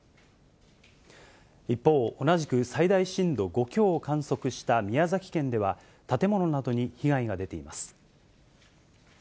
一方、同じく最大震度５強を観測した宮崎県では、建物などに被害が出ています。